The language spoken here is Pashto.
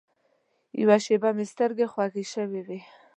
یوه شېبه مې سترګې خوږې شوې وې.